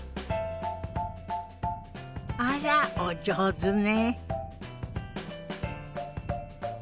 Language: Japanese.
あらお上手ね。